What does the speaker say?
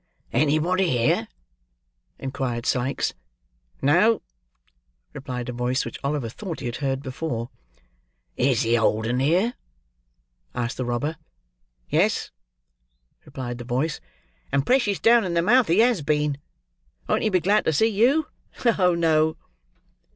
"Anybody here?" inquired Sikes. "No," replied a voice, which Oliver thought he had heard before. "Is the old 'un here?" asked the robber. "Yes," replied the voice, "and precious down in the mouth he has been. Won't he be glad to see you? Oh, no!"